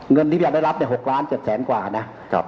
เงินที่พยานรับ๖๗ล้านบ้าง